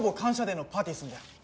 デーのパーティーすんだよ